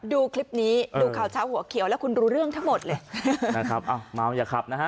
ดูคลิปนี้ดูเขาช้าหัวเขียวแล้วคุณรู้เรื่องทั้งหมดเลย